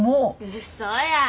うそやぁ。